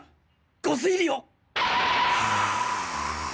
御推理を！